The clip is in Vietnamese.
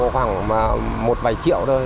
khoảng một vài triệu thôi